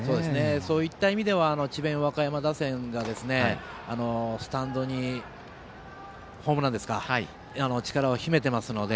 そういった意味では智弁和歌山打線がスタンドに、ホームランを打つ力を秘めてますので。